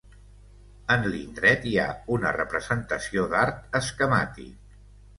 En l'indret, hi ha una representació d'art esquemàtic.